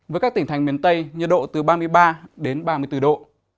với các tỉnh thành miền tây nhiệt độ từ ba mươi ba đến ba mươi bốn độ